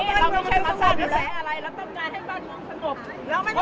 เราต้องการให้บ้านเมืองสงบ